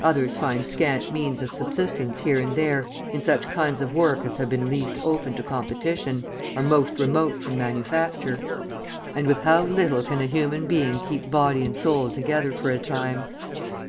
Others find scant means of subsistence here and there in such kinds of work as have been least open to competition, are most remote from manufacture. And with how little can a human being keep body and soul together for a time!